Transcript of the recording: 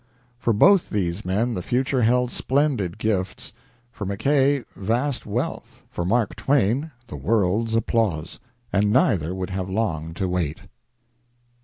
For both these men the future held splendid gifts: for Mackay vast wealth, for Mark Twain the world's applause, and neither would have long to wait.